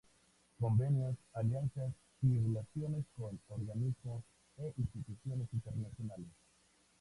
Convenios, alianzas y relaciones con organismos e instituciones internacionales